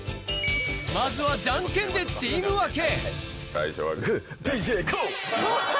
まずは、じゃんけんでチーム分け。